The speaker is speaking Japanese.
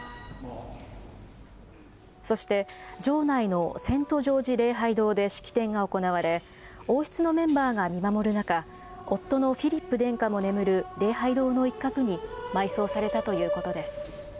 そして、城内のセントジョージ礼拝堂で式典が行われ、王室のメンバーが見守る中、夫のフィリップ殿下も眠る礼拝堂の一角に埋葬されたということです。